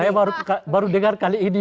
saya baru dengar kali ini